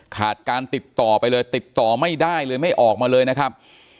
ขาดการติดต่อไปเลยติดต่อไม่ได้เลยไม่ออกมาเลยนะครับ